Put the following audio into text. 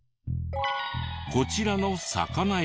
こちらの魚屋さん。